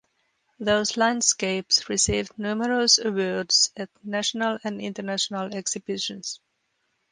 Those landscapes received numerous awards at national and international exhibitions.